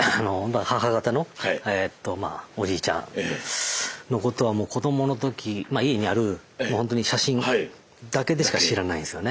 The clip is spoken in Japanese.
母方のおじいちゃんのことはもう子どもの時まあ家にある本当に写真だけでしか知らないんですよね。